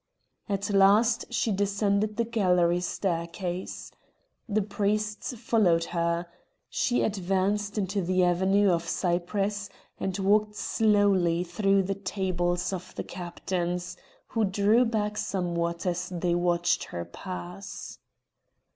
At last she descended the galley staircase. The priests followed her. She advanced into the avenue of cypress, and walked slowly through the tables of the captains, who drew back somewhat as they watched her pass.